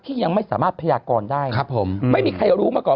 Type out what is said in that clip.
ยังไม่สามารถพยากรได้ครับผมไม่มีใครรู้มาก่อน